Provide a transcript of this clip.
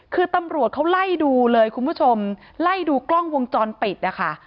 คือตำรวจเขาไล่ดูเลยคุณผู้ชมไล่ดูกล้องวงจรปิดนะคะ